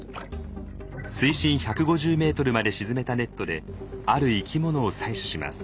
水深１５０ｍまで沈めたネットである生き物を採取します。